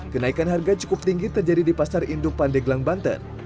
kenaikan harga cukup tinggi terjadi di pasar induk pandeglang banten